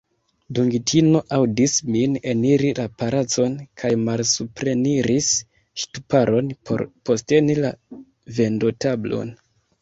Dungitino aŭdis min eniri la palacon, kaj malsupreniris ŝtuparon por posteni la vendotablon.